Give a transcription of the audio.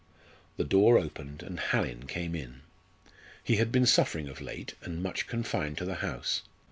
The door opened and Hallin came in. He had been suffering of late, and much confined to the house.